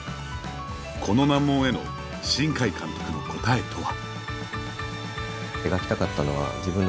この難問への新海監督の答えとは。